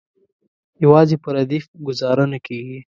یوازې په ردیف ګوزاره نه کیږي.